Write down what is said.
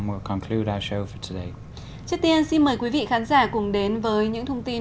trước tiên xin mời quý vị khán giả cùng đến với những thông tin